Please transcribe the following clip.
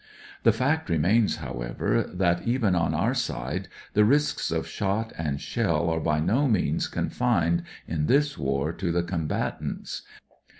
The fact remains, however, that, even on our side, the risks of shot and shell are by no means confined, in this war, to the combatants.